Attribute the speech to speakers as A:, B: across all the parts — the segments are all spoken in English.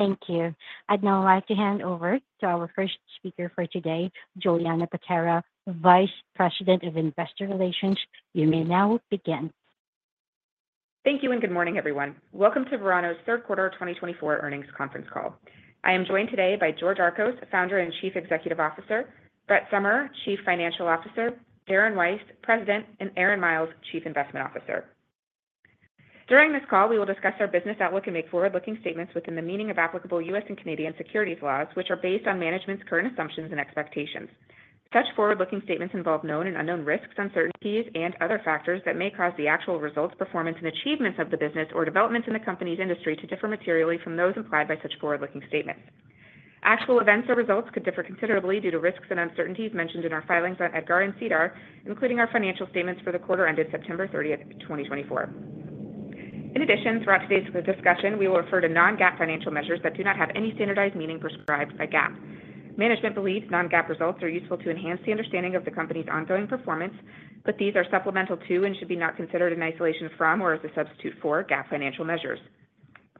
A: Thank you. I'd now like to hand over to our first speaker for today, Julianna Paterra, Vice President of Investor Relations. You may now begin.
B: Thank you, and good morning, everyone. Welcome to Verano's third quarter 2024 earnings conference call. I am joined today by George Archos, Founder and Chief Executive Officer, Brett Summerer, Chief Financial Officer, Darren Weiss, President, and Aaron Miles, Chief Investment Officer. During this call, we will discuss our business outlook and make forward-looking statements within the meaning of applicable U.S. and Canadian securities laws, which are based on management's current assumptions and expectations. Such forward-looking statements involve known and unknown risks, uncertainties, and other factors that may cause the actual results, performance, and achievements of the business or developments in the company's industry to differ materially from those implied by such forward-looking statements. Actual events or results could differ considerably due to risks and uncertainties mentioned in our filings on EDGAR and SEDAR, including our financial statements for the quarter ended September 30, 2024. In addition, throughout today's discussion, we will refer to non-GAAP financial measures that do not have any standardized meaning prescribed by GAAP. Management believes non-GAAP results are useful to enhance the understanding of the company's ongoing performance, but these are supplemental to and should not be considered in isolation from or as a substitute for GAAP financial measures.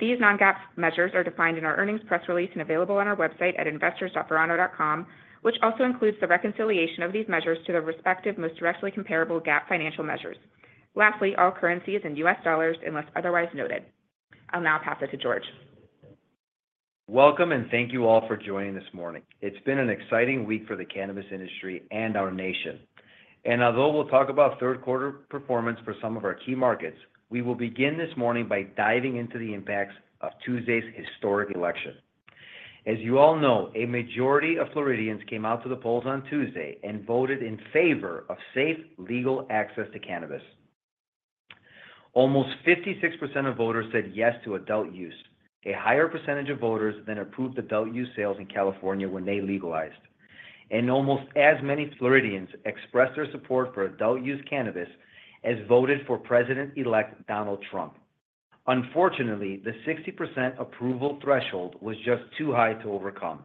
B: These non-GAAP measures are defined in our earnings press release and available on our website at investors.verano.com, which also includes the reconciliation of these measures to the respective most directly comparable GAAP financial measures. Lastly, all currencies in U.S. dollars unless otherwise noted. I'll now pass it to George.
C: Welcome, and thank you all for joining this morning. It's been an exciting week for the cannabis industry and our nation. Although we'll talk about third quarter performance for some of our key markets, we will begin this morning by diving into the impacts of Tuesday's historic election. As you all know, a majority of Floridians came out to the polls on Tuesday and voted in favor of safe, legal access to cannabis. Almost 56% of voters said yes to adult use, a higher percentage of voters than approved adult use sales in California when they legalized. Almost as many Floridians expressed their support for adult use cannabis as voted for President-elect Donald Trump. Unfortunately, the 60% approval threshold was just too high to overcome.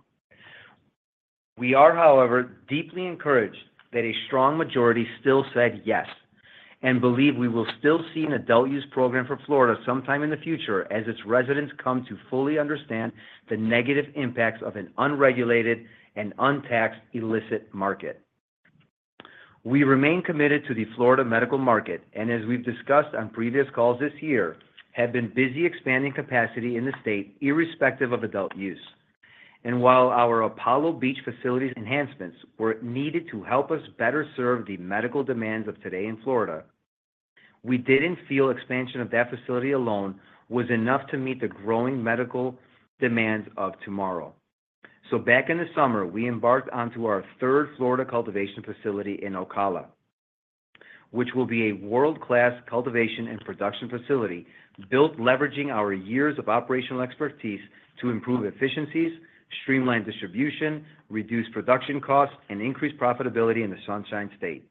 C: We are, however, deeply encouraged that a strong majority still said yes and believe we will still see an adult use program for Florida sometime in the future as its residents come to fully understand the negative impacts of an unregulated and untaxed illicit market. We remain committed to the Florida medical market and, as we've discussed on previous calls this year, have been busy expanding capacity in the state irrespective of adult use. And while our Apollo Beach facility's enhancements were needed to help us better serve the medical demands of today in Florida, we didn't feel expansion of that facility alone was enough to meet the growing medical demands of tomorrow. So back in the summer, we embarked onto our third Florida cultivation facility in Ocala, which will be a world-class cultivation and production facility built leveraging our years of operational expertise to improve efficiencies, streamline distribution, reduce production costs, and increase profitability in the Sunshine State.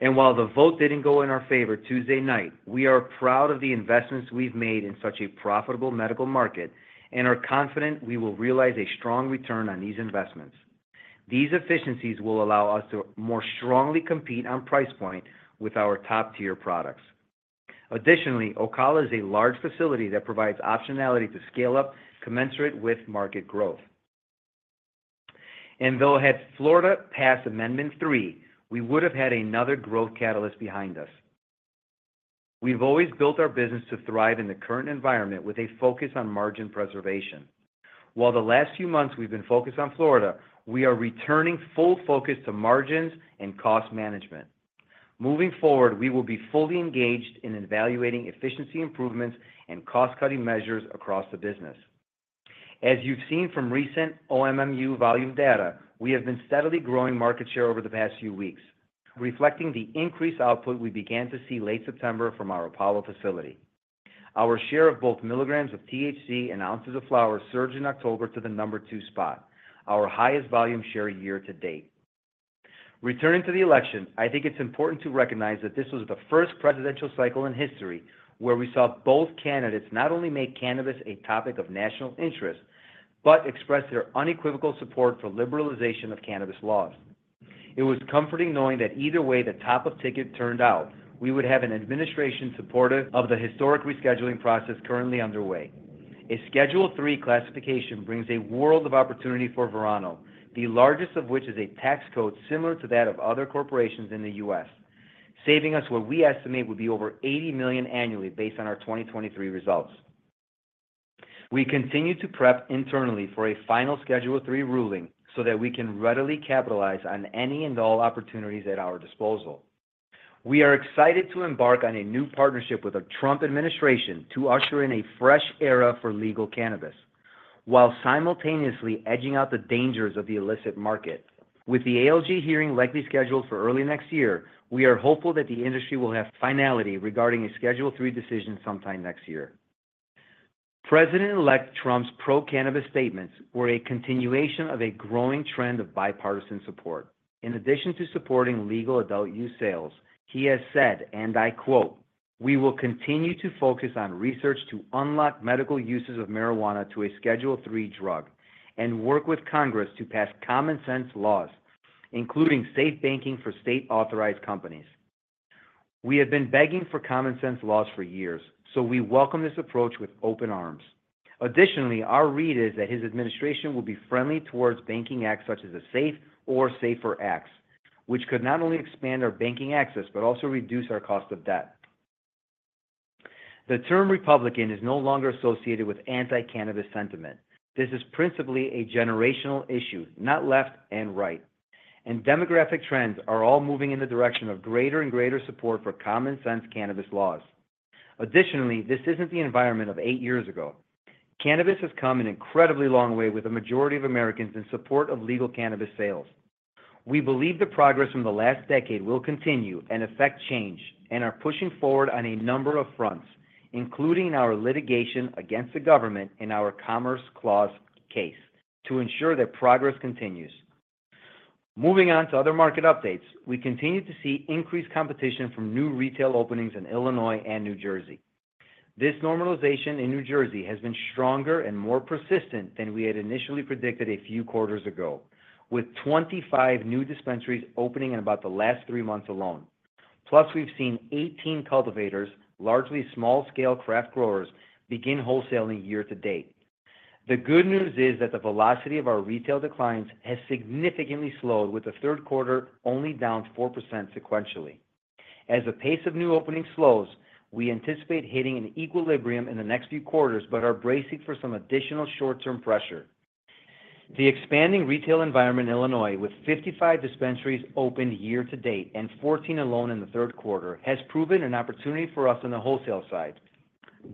C: And while the vote didn't go in our favor Tuesday night, we are proud of the investments we've made in such a profitable medical market and are confident we will realize a strong return on these investments. These efficiencies will allow us to more strongly compete on price point with our top-tier products. Additionally, Ocala is a large facility that provides optionality to scale up commensurate with market growth. And though had Florida passed Amendment 3, we would have had another growth catalyst behind us. We've always built our business to thrive in the current environment with a focus on margin preservation. While the last few months we've been focused on Florida, we are returning full focus to margins and cost management. Moving forward, we will be fully engaged in evaluating efficiency improvements and cost-cutting measures across the business. As you've seen from recent OMMU volume data, we have been steadily growing market share over the past few weeks, reflecting the increased output we began to see late September from our Apollo facility. Our share of both milligrams of THC and ounces of flower surged in October to the number two spot, our highest volume share year to date. Returning to the election, I think it's important to recognize that this was the first presidential cycle in history where we saw both candidates not only make cannabis a topic of national interest, but express their unequivocal support for liberalization of cannabis laws. It was comforting knowing that either way the top of ticket turned out, we would have an administration supportive of the historic rescheduling process currently underway. A Schedule III classification brings a world of opportunity for Verano, the largest of which is a tax code similar to that of other corporations in the U.S., saving us what we estimate would be over $80 million annually based on our 2023 results. We continue to prep internally for a final Schedule III ruling so that we can readily capitalize on any and all opportunities at our disposal. We are excited to embark on a new partnership with the Trump administration to usher in a fresh era for legal cannabis while simultaneously edging out the dangers of the illicit market. With the ALJ hearing likely scheduled for early next year, we are hopeful that the industry will have finality regarding a Schedule III decision sometime next year. President-elect Trump's pro-cannabis statements were a continuation of a growing trend of bipartisan support. In addition to supporting legal adult use sales, he has said, and I quote, "We will continue to focus on research to unlock medical uses of marijuana to a Schedule III drug and work with Congress to pass common-sense laws, including safe banking for state-authorized companies." We have been begging for common-sense laws for years, so we welcome this approach with open arms. Additionally, our read is that his administration will be friendly towards banking acts such as the SAFE or SAFER acts, which could not only expand our banking access but also reduce our cost of debt. The term Republican is no longer associated with anti-cannabis sentiment. This is principally a generational issue, not left and right, and demographic trends are all moving in the direction of greater and greater support for common-sense cannabis laws. Additionally, this isn't the environment of eight years ago. Cannabis has come an incredibly long way with a majority of Americans in support of legal cannabis sales. We believe the progress from the last decade will continue and affect change and are pushing forward on a number of fronts, including our litigation against the government in our Commerce Clause case to ensure that progress continues. Moving on to other market updates, we continue to see increased competition from new retail openings in Illinois and New Jersey. This normalization in New Jersey has been stronger and more persistent than we had initially predicted a few quarters ago, with 25 new dispensaries opening in about the last three months alone. Plus, we've seen 18 cultivators, largely small-scale craft growers, begin wholesaling year to date. The good news is that the velocity of our retail declines has significantly slowed, with the third quarter only down 4% sequentially. As the pace of new openings slows, we anticipate hitting an equilibrium in the next few quarters but are bracing for some additional short-term pressure. The expanding retail environment in Illinois, with 55 dispensaries opened year to date and 14 alone in the third quarter, has proven an opportunity for us on the wholesale side.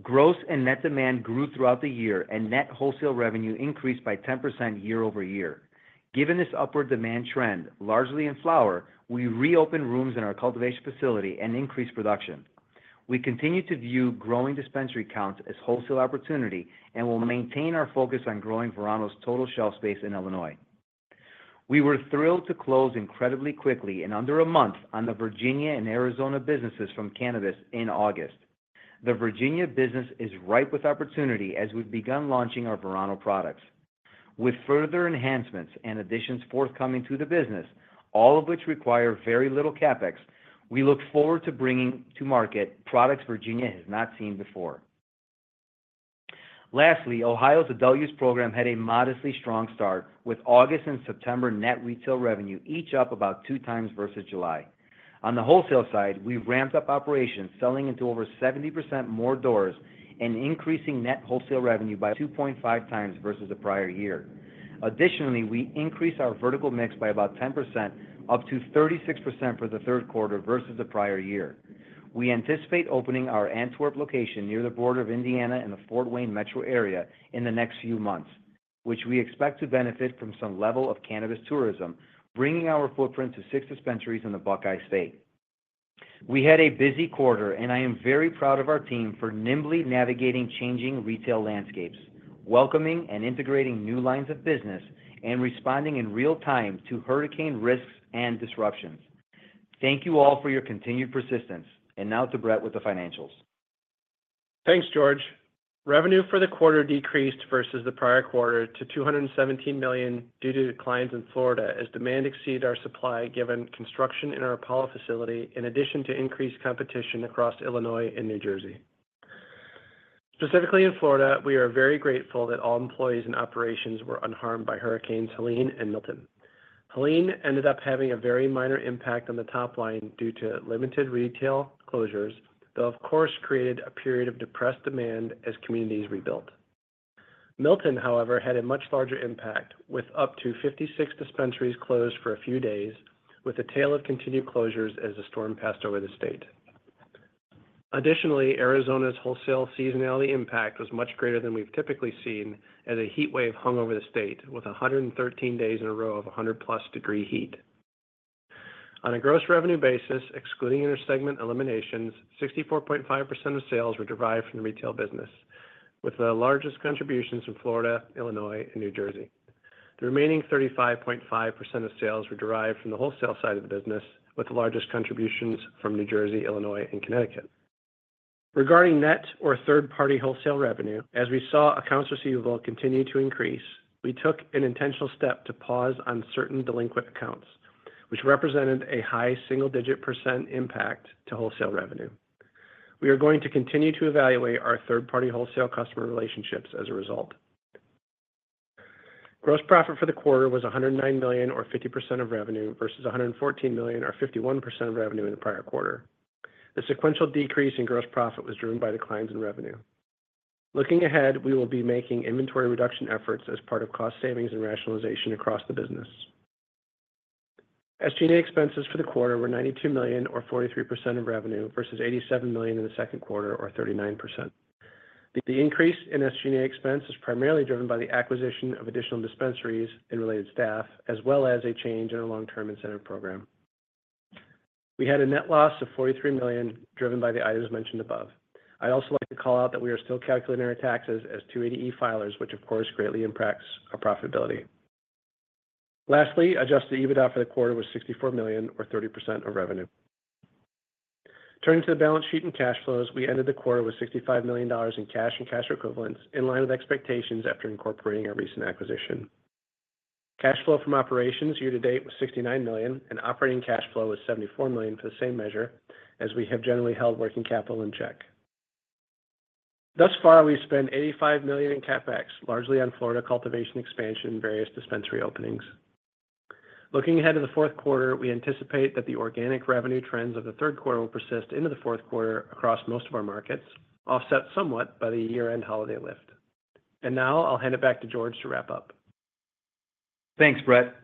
C: Gross and net demand grew throughout the year, and net wholesale revenue increased by 10% year-over-year. Given this upward demand trend, largely in flower, we reopened rooms in our cultivation facility and increased production. We continue to view growing dispensary counts as wholesale opportunity and will maintain our focus on growing Verano's total shelf space in Illinois. We were thrilled to close incredibly quickly, in under a month, on the Virginia and Arizona businesses from cannabis in August. The Virginia business is ripe with opportunity as we've begun launching our Verano products. With further enhancements and additions forthcoming to the business, all of which require very little CapEx, we look forward to bringing to market products Virginia has not seen before. Lastly, Ohio's adult use program had a modestly strong start, with August and September net retail revenue each up about two times versus July. On the wholesale side, we ramped up operations, selling into over 70% more doors and increasing net wholesale revenue by 2.5x versus the prior year. Additionally, we increased our vertical mix by about 10%, up to 36% for the third quarter versus the prior year. We anticipate opening our Antwerp location near the border of Indiana and the Fort Wayne metro area in the next few months, which we expect to benefit from some level of cannabis tourism, bringing our footprint to six dispensaries in the Buckeye State. We had a busy quarter, and I am very proud of our team for nimbly navigating changing retail landscapes, welcoming and integrating new lines of business, and responding in real time to hurricane risks and disruptions. Thank you all for your continued persistence. And now to Brett with the financials.
D: Thanks, George. Revenue for the quarter decreased versus the prior quarter to $217 million due to declines in Florida as demand exceeded our supply given construction in our Apollo facility, in addition to increased competition across Illinois and New Jersey. Specifically in Florida, we are very grateful that all employees and operations were unharmed by Hurricanes Helene and Milton. Helene ended up having a very minor impact on the top line due to limited retail closures, though, of course, created a period of depressed demand as communities rebuilt. Milton, however, had a much larger impact, with up to 56 dispensaries closed for a few days, with a tail of continued closures as the storm passed over the state. Additionally, Arizona's wholesale seasonality impact was much greater than we've typically seen as a heat wave hung over the state with 113 days in a row of 100+ degree heat. On a gross revenue basis, excluding intersegment eliminations, 64.5% of sales were derived from the retail business, with the largest contributions from Florida, Illinois, and New Jersey. The remaining 35.5% of sales were derived from the wholesale side of the business, with the largest contributions from New Jersey, Illinois, and Connecticut. Regarding net or third-party wholesale revenue, as we saw accounts receivable continue to increase, we took an intentional step to pause on certain delinquent accounts, which represented a high single-digit percent impact to wholesale revenue. We are going to continue to evaluate our third-party wholesale customer relationships as a result. Gross profit for the quarter was $109 million, or 50% of revenue, versus $114 million, or 51% of revenue in the prior quarter. The sequential decrease in gross profit was driven by declines in revenue. Looking ahead, we will be making inventory reduction efforts as part of cost savings and rationalization across the business. SG&A expenses for the quarter were $92 million, or 43% of revenue, versus $87 million in the second quarter, or 39%. The increase in SG&A expense is primarily driven by the acquisition of additional dispensaries and related staff, as well as a change in our long-term incentive program. We had a net loss of $43 million, driven by the items mentioned above. I'd also like to call out that we are still calculating our taxes as 280E filers, which, of course, greatly impacts our profitability. Lastly, Adjusted EBITDA for the quarter was $64 million, or 30% of revenue. Turning to the balance sheet and cash flows, we ended the quarter with $65 million in cash and cash equivalents, in line with expectations after incorporating our recent acquisition. Cash flow from operations year to date was $69 million, and operating cash flow was $74 million for the same measure, as we have generally held working capital in check. Thus far, we've spent $85 million in CapEx, largely on Florida cultivation expansion and various dispensary openings. Looking ahead to the fourth quarter, we anticipate that the organic revenue trends of the third quarter will persist into the fourth quarter across most of our markets, offset somewhat by the year-end holiday lift, and now I'll hand it back to George to wrap up.
C: Thanks, Brett.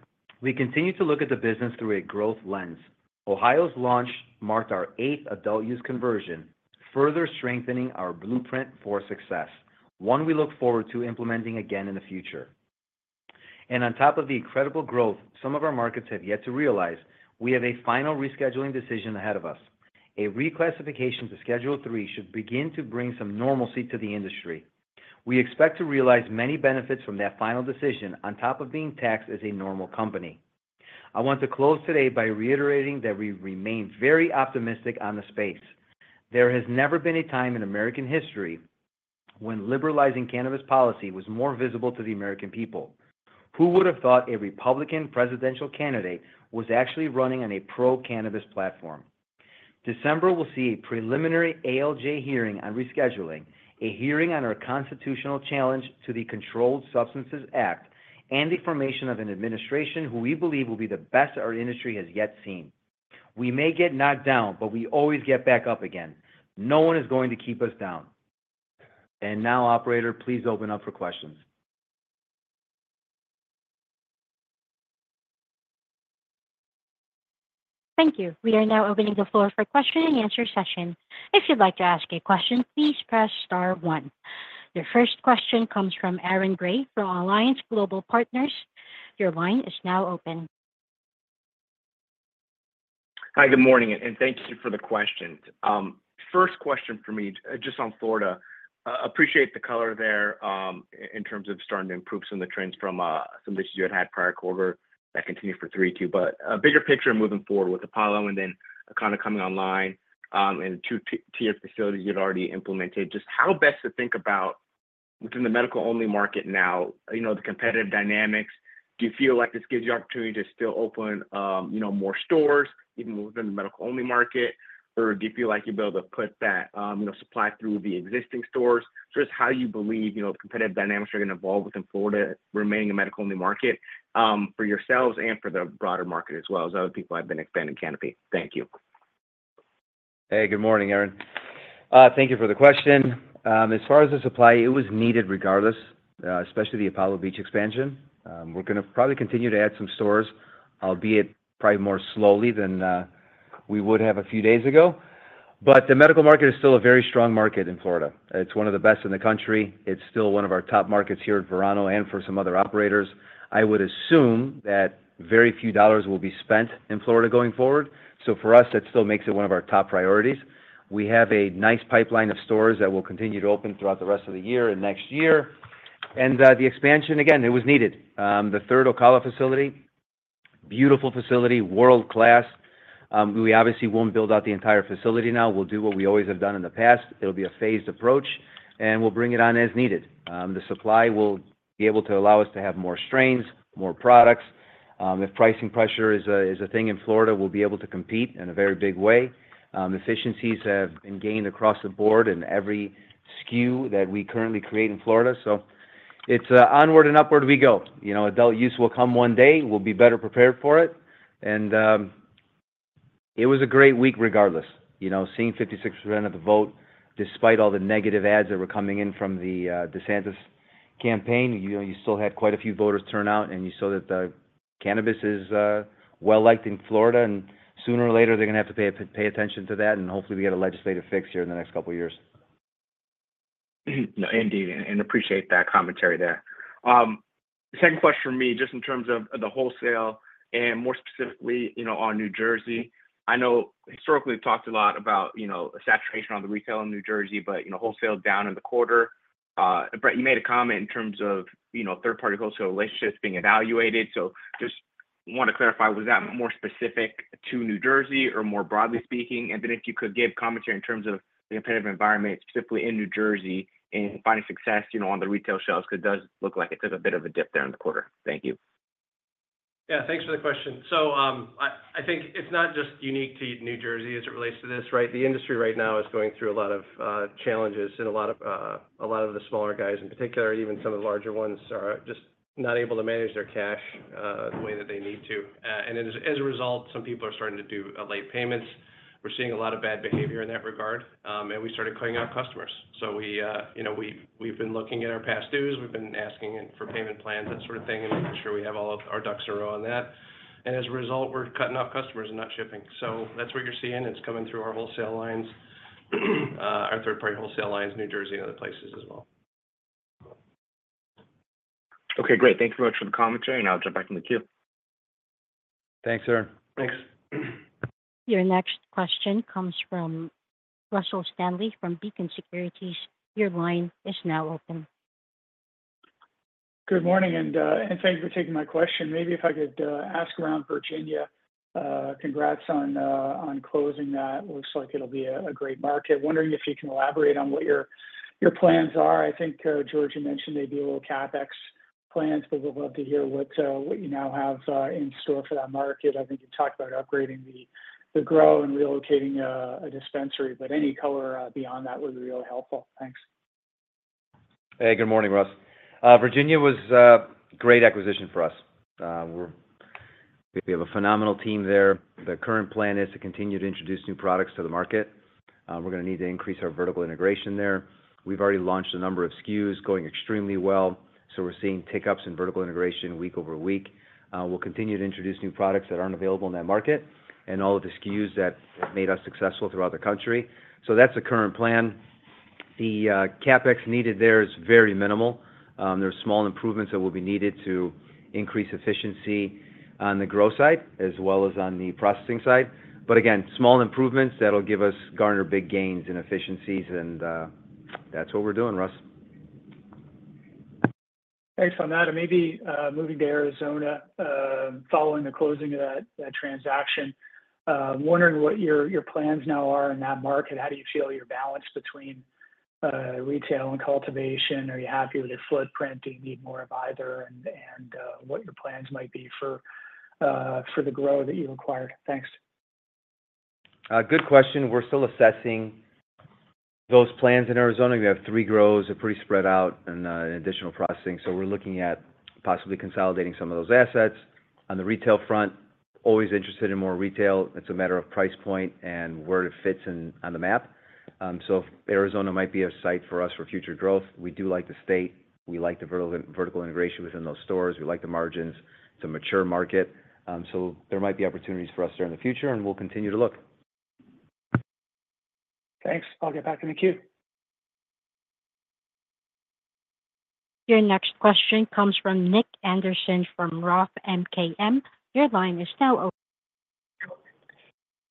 C: We continue to look at the business through a growth lens. Ohio's launch marked our eighth adult use conversion, further strengthening our blueprint for success, one we look forward to implementing again in the future, and on top of the incredible growth some of our markets have yet to realize, we have a final rescheduling decision ahead of us. A reclassification to Schedule III should begin to bring some normalcy to the industry. We expect to realize many benefits from that final decision on top of being taxed as a normal company. I want to close today by reiterating that we remain very optimistic on the space. There has never been a time in American history when liberalizing cannabis policy was more visible to the American people. Who would have thought a Republican presidential candidate was actually running on a pro-cannabis platform? December will see a preliminary ALJ hearing on rescheduling, a hearing on our constitutional challenge to the Controlled Substances Act, and the formation of an administration who we believe will be the best our industry has yet seen. We may get knocked down, but we always get back up again. No one is going to keep us down, and now, operator, please open up for questions.
A: Thank you. We are now opening the floor for question-and-answer session. If you'd like to ask a question, please press star one. Your first question comes from Aaron Grey from Alliance Global Partners. Your line is now open.
E: Hi, good morning, and thank you for the question. First question for me, just on Florida. Appreciate the color there in terms of starting to improve some of the trends from some issues you had had prior quarter that continued for Q3 too, but a bigger picture moving forward with Apollo and then kind of coming online and two-tier facilities you'd already implemented. Just how best to think about within the medical-only market now, the competitive dynamics? Do you feel like this gives you opportunity to still open more stores, even within the medical-only market? Or do you feel like you'll be able to put that supply through the existing stores? So just how do you believe the competitive dynamics are going to evolve within Florida, remaining a medical-only market for yourselves and for the broader market as well as other people have been expanding canopy? Thank you.
C: Hey, good morning, Aaron. Thank you for the question. As far as the supply, it was needed regardless, especially the Apollo Beach expansion. We're going to probably continue to add some stores, albeit probably more slowly than we would have a few days ago. But the medical market is still a very strong market in Florida. It's one of the best in the country. It's still one of our top markets here at Verano and for some other operators. I would assume that very few dollars will be spent in Florida going forward. So for us, that still makes it one of our top priorities. We have a nice pipeline of stores that will continue to open throughout the rest of the year and next year. And the expansion, again, it was needed. The third Apollo facility, beautiful facility, world-class. We obviously won't build out the entire facility now. We'll do what we always have done in the past. It'll be a phased approach, and we'll bring it on as needed. The supply will be able to allow us to have more strains, more products. If pricing pressure is a thing in Florida, we'll be able to compete in a very big way. Efficiencies have been gained across the board in every SKU that we currently create in Florida. So it's onward and upward we go. Adult Use will come one day. We'll be better prepared for it, and it was a great week regardless. Seeing 56% of the vote, despite all the negative ads that were coming in from the DeSantis campaign, you still had quite a few voters turn out, and you saw that the cannabis is well-liked in Florida. Sooner or later, they're going to have to pay attention to that, and hopefully, we get a legislative fix here in the next couple of years.
E: No, indeed. And I appreciate that commentary there. Second question for me, just in terms of the wholesale and more specifically on New Jersey. I know historically we've talked a lot about saturation on the retail in New Jersey, but wholesale down in the quarter. Brett, you made a comment in terms of third-party wholesale relationships being evaluated. So just want to clarify, was that more specific to New Jersey or more broadly speaking? And then if you could give commentary in terms of the competitive environment, specifically in New Jersey, and finding success on the retail shelves because it does look like it took a bit of a dip there in the quarter. Thank you.
D: Yeah, thanks for the question. So I think it's not just unique to New Jersey as it relates to this, right? The industry right now is going through a lot of challenges, and a lot of the smaller guys, in particular, even some of the larger ones, are just not able to manage their cash the way that they need to. And as a result, some people are starting to do late payments. We're seeing a lot of bad behavior in that regard, and we started cutting out customers. So we've been looking at our past dues. We've been asking for payment plans, that sort of thing, and making sure we have all of our ducks in a row on that. And as a result, we're cutting out customers and not shipping. So that's what you're seeing. It's coming through our wholesale lines, our third-party wholesale lines, New Jersey, and other places as well.
E: Okay, great. Thank you very much for the commentary, and I'll jump back in the queue.
C: Thanks, Aaron.
E: Thanks.
A: Your next question comes from Russell Stanley from Beacon Securities. Your line is now open.
F: Good morning, and thank you for taking my question. Maybe if I could ask about Virginia, congrats on closing that. Looks like it'll be a great market. Wondering if you can elaborate on what your plans are. I think George had mentioned maybe a little CapEx plans, but we'd love to hear what you now have in store for that market. I think you talked about upgrading the grow and relocating a dispensary, but any color beyond that would be real helpful. Thanks.
C: Hey, good morning, Russ. Virginia was a great acquisition for us. We have a phenomenal team there. The current plan is to continue to introduce new products to the market. We're going to need to increase our vertical integration there. We've already launched a number of SKUs going extremely well, so we're seeing tick-ups in vertical integration week over week. We'll continue to introduce new products that aren't available in that market and all of the SKUs that made us successful throughout the country. So that's the current plan. The CapEx needed there is very minimal. There are small improvements that will be needed to increase efficiency on the grow side as well as on the processing side. But again, small improvements that'll give us greater big gains in efficiencies, and that's what we're doing, Russ.
F: Thanks on that. And maybe moving to Arizona following the closing of that transaction. Wondering what your plans now are in that market. How do you feel your balance between retail and cultivation? Are you happy with your footprint? Do you need more of either? And what your plans might be for the grow that you acquired? Thanks.
C: Good question. We're still assessing those plans in Arizona. We have three grows that are pretty spread out and additional processing. So we're looking at possibly consolidating some of those assets. On the retail front, always interested in more retail. It's a matter of price point and where it fits on the map. So Arizona might be a site for us for future growth. We do like the state. We like the vertical integration within those stores. We like the margins. It's a mature market. So there might be opportunities for us there in the future, and we'll continue to look.
F: Thanks. I'll get back in the queue.
A: Your next question comes from Nick Anderson from Roth MKM. Your line is now open.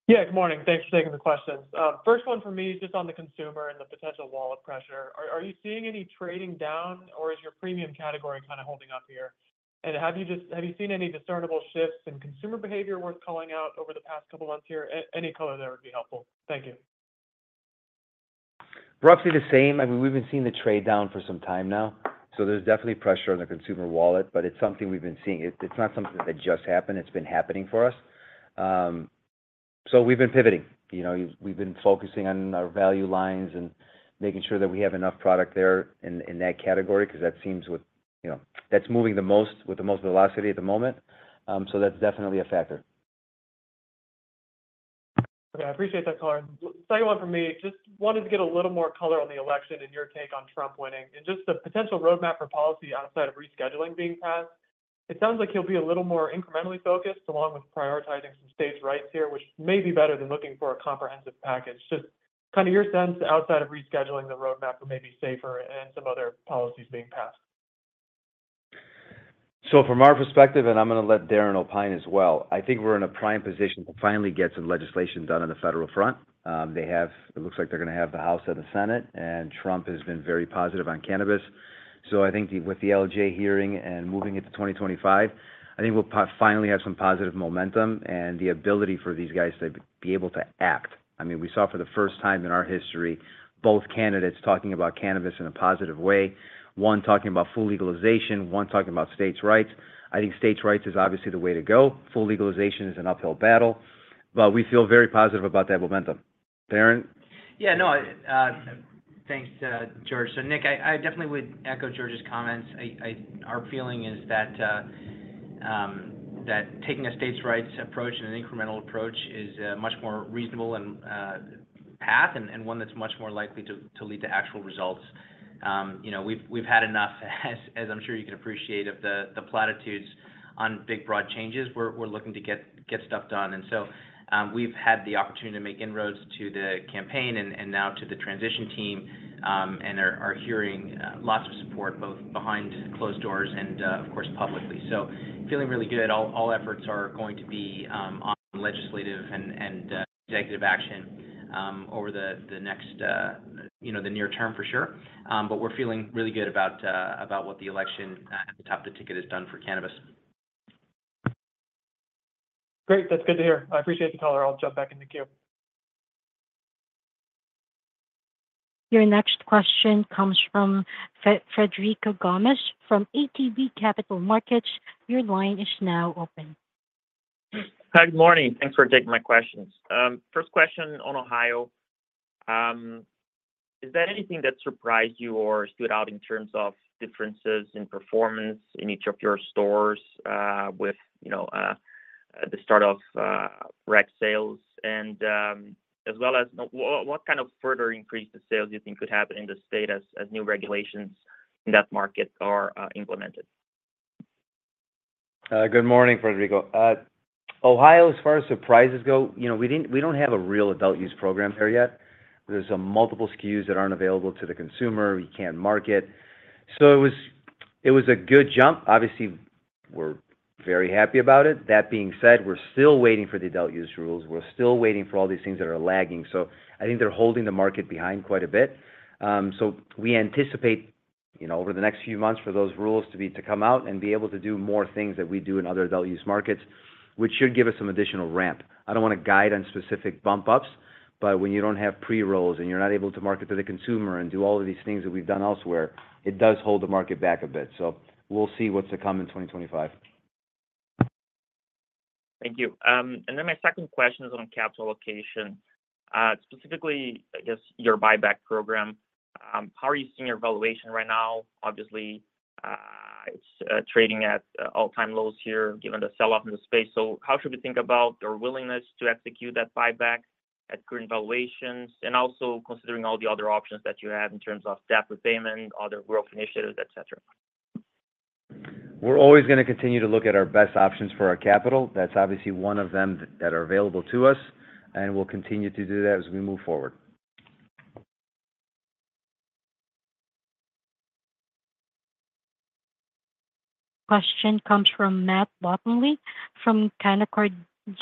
G: Yeah, good morning. Thanks for taking the questions. First one for me is just on the consumer and the potential wallet pressure. Are you seeing any trading down, or is your premium category kind of holding up here? And have you seen any discernible shifts in consumer behavior worth calling out over the past couple of months here? Any color there would be helpful. Thank you.
C: Roughly the same. I mean, we've been seeing the trade down for some time now. So there's definitely pressure on the consumer wallet, but it's something we've been seeing. It's not something that just happened. It's been happening for us. So we've been pivoting. We've been focusing on our value lines and making sure that we have enough product there in that category because that seems, that's moving the most with the most velocity at the moment. So that's definitely a factor.
G: Okay, I appreciate that, Colin. Second one for me. Just wanted to get a little more color on the election and your take on Trump winning and just the potential roadmap for policy outside of rescheduling being passed? It sounds like he'll be a little more incrementally focused along with prioritizing some states' rights here, which may be better than looking for a comprehensive package. Just kind of your sense outside of rescheduling, the roadmap may be safer and some other policies being passed?
C: So from our perspective, and I'm going to let Darren opine as well, I think we're in a prime position to finally get some legislation done on the federal front. They have. It looks like they're going to have the House and the Senate, and Trump has been very positive on cannabis. So I think with the ALJ hearing and moving into 2025, I think we'll finally have some positive momentum and the ability for these guys to be able to act. I mean, we saw for the first time in our history both candidates talking about cannabis in a positive way, one talking about full legalization, one talking about states' rights. I think states' rights is obviously the way to go. Full legalization is an uphill battle, but we feel very positive about that momentum. Darren?
H: Yeah, no, thanks, George. So Nick, I definitely would echo George's comments. Our feeling is that taking a states' rights approach and an incremental approach is a much more reasonable path and one that's much more likely to lead to actual results. We've had enough, as I'm sure you can appreciate, of the platitudes on big broad changes. We're looking to get stuff done. And so we've had the opportunity to make inroads to the campaign and now to the transition team and are hearing lots of support both behind closed doors and, of course, publicly. So feeling really good. All efforts are going to be on legislative and executive action over the next near term for sure. But we're feeling really good about what the election at the top of the ticket has done for cannabis.
G: Great. That's good to hear. I appreciate the color. I'll jump back in the queue.
A: Your next question comes from Frederico Gomes from ATB Capital Markets. Your line is now open.
I: Hi, good morning. Thanks for taking my questions. First question on Ohio. Is there anything that surprised you or stood out in terms of differences in performance in each of your stores with the start of rec sales and as well as what kind of further increase to sales you think could happen in the state as new regulations in that market are implemented?
C: Good morning, Frederico. Ohio, as far as surprises go, we don't have a real adult use program here yet. There's multiple SKUs that aren't available to the consumer. We can't market. So it was a good jump. Obviously, we're very happy about it. That being said, we're still waiting for the adult use rules. We're still waiting for all these things that are lagging. So I think they're holding the market behind quite a bit. So we anticipate over the next few months for those rules to come out and be able to do more things that we do in other adult use markets, which should give us some additional ramp. I don't want to guide on specific bump-ups, but when you don't have pre-rolls and you're not able to market to the consumer and do all of these things that we've done elsewhere, it does hold the market back a bit. So we'll see what's to come in 2025.
I: Thank you. And then my second question is on capital allocation. Specifically, I guess your buyback program. How are you seeing your valuation right now? Obviously, it's trading at all-time lows here given the sell-off in the space. So how should we think about your willingness to execute that buyback at current valuations and also considering all the other options that you have in terms of debt repayment, other growth initiatives, etc.?
C: We're always going to continue to look at our best options for our capital. That's obviously one of them that are available to us, and we'll continue to do that as we move forward.
A: Question comes from Matt Bottomley from Canaccord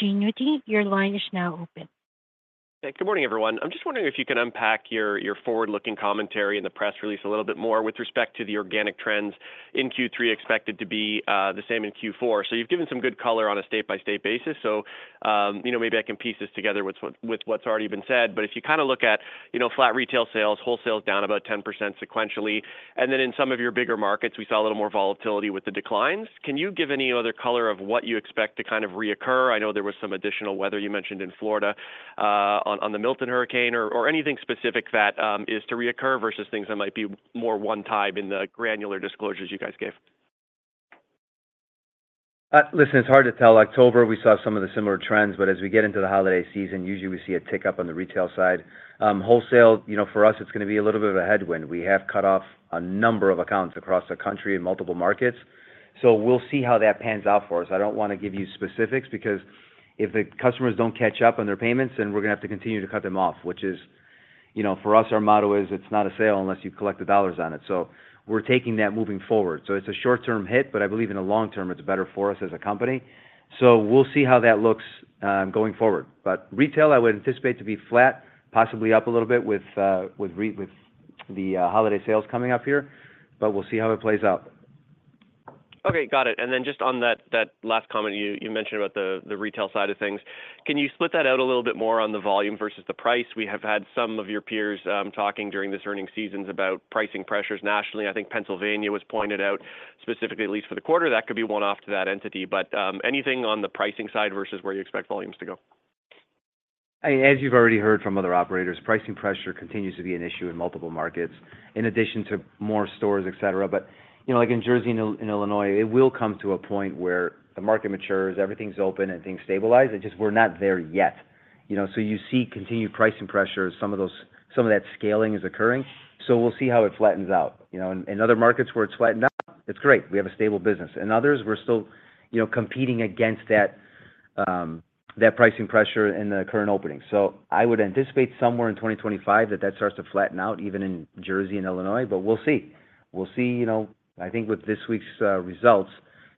A: Genuity. Your line is now open.
J: Good morning, everyone. I'm just wondering if you can unpack your forward-looking commentary in the press release a little bit more with respect to the organic trends in Q3 expected to be the same in Q4. So you've given some good color on a state-by-state basis. So maybe I can piece this together with what's already been said. But if you kind of look at flat retail sales, wholesale sales down about 10% sequentially, and then in some of your bigger markets, we saw a little more volatility with the declines. Can you give any other color of what you expect to kind of reoccur? I know there was some additional weather you mentioned in Florida on the Hurricane Milton or anything specific that is to reoccur versus things that might be more one-time in the granular disclosures you guys gave.
C: Listen, it's hard to tell. October, we saw some of the similar trends, but as we get into the holiday season, usually we see a tick-up on the retail side. Wholesale, for us, it's going to be a little bit of a headwind. We have cut off a number of accounts across the country in multiple markets. So we'll see how that pans out for us. I don't want to give you specifics because if the customers don't catch up on their payments, then we're going to have to continue to cut them off, which is, for us, our motto is it's not a sale unless you collect the dollars on it. So we're taking that moving forward. So it's a short-term hit, but I believe in the long term, it's better for us as a company. So we'll see how that looks going forward. But retail, I would anticipate to be flat, possibly up a little bit with the holiday sales coming up here, but we'll see how it plays out.
J: Okay, got it. And then just on that last comment you mentioned about the retail side of things, can you split that out a little bit more on the volume versus the price? We have had some of your peers talking during this earnings season about pricing pressures nationally. I think Pennsylvania was pointed out specifically, at least for the quarter. That could be one-off to that entity, but anything on the pricing side versus where you expect volumes to go?
C: As you've already heard from other operators, pricing pressure continues to be an issue in multiple markets in addition to more stores, etc. But like in Jersey and Illinois, it will come to a point where the market matures, everything's open, and things stabilize. It's just we're not there yet. So you see continued pricing pressures. Some of that scaling is occurring. So we'll see how it flattens out. In other markets where it's flattened out, it's great. We have a stable business. In others, we're still competing against that pricing pressure in the current opening. So I would anticipate somewhere in 2025 that that starts to flatten out even in Jersey and Illinois, but we'll see. We'll see. I think with this week's results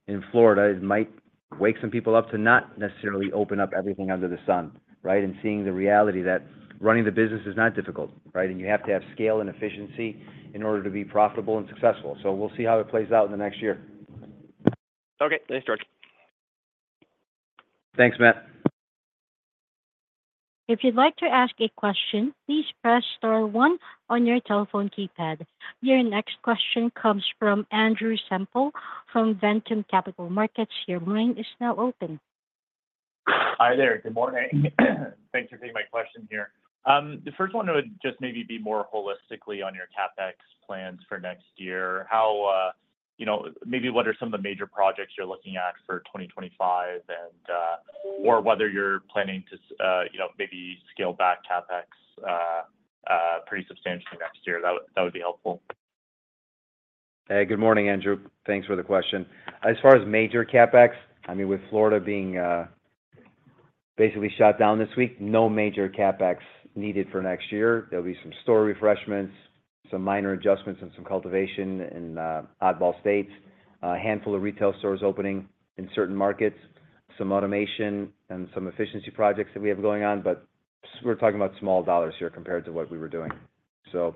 C: in Florida, it might wake some people up to not necessarily open up everything under the sun, right, and seeing the reality that running the business is not difficult, right, and you have to have scale and efficiency in order to be profitable and successful. So we'll see how it plays out in the next year.
J: Okay. Thanks, George.
C: Thanks, Matt.
A: If you'd like to ask a question, please press star one on your telephone keypad. Your next question comes from Andrew Semple from Ventum Capital Markets. Your line is now open.
K: Hi there. Good morning. Thanks for taking my question here. The first one would just maybe be more holistically on your CapEx plans for next year. Maybe what are some of the major projects you're looking at for 2025 or whether you're planning to maybe scale back CapEx pretty substantially next year? That would be helpful.
C: Hey, good morning, Andrew. Thanks for the question. As far as major CapEx, I mean, with Florida being basically shut down this week, no major CapEx needed for next year. There'll be some store refreshments, some minor adjustments, and some cultivation in oddball states, a handful of retail stores opening in certain markets, some automation, and some efficiency projects that we have going on, but we're talking about small dollars here compared to what we were doing. So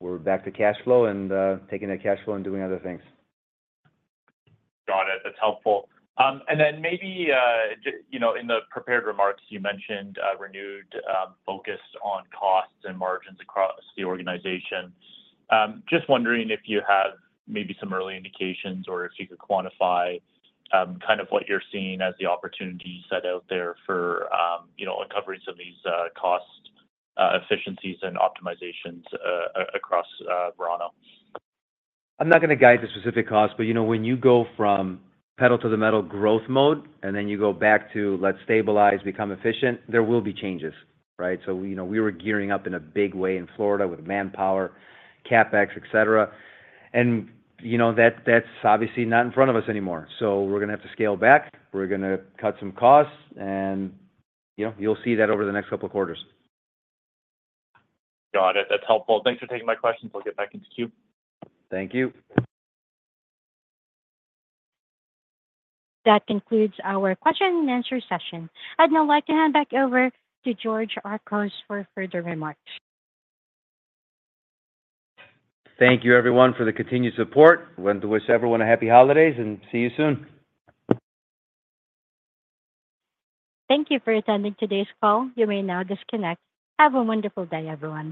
C: we're back to cash flow and taking that cash flow and doing other things.
K: Got it. That's helpful. And then maybe in the prepared remarks, you mentioned renewed focus on costs and margins across the organization. Just wondering if you have maybe some early indications or if you could quantify kind of what you're seeing as the opportunity set out there for uncovering some of these cost efficiencies and optimizations across Verano.
C: I'm not going to guide the specific costs, but when you go from pedal-to-the-metal growth mode and then you go back to, let's stabilize, become efficient, there will be changes, right? so we were gearing up in a big way in Florida with manpower, CapEx, etc., and that's obviously not in front of us anymore, so we're going to have to scale back. We're going to cut some costs, and you'll see that over the next couple of quarters.
K: Got it. That's helpful. Thanks for taking my questions. I'll get back into queue.
C: Thank you.
A: That concludes our question-and-answer session. I'd now like to hand back over to George Archos for further remarks.
C: Thank you, everyone, for the continued support. I want to wish everyone a happy holidays and see you soon.
A: Thank you for attending today's call. You may now disconnect. Have a wonderful day, everyone.